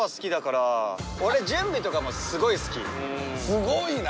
すごいな。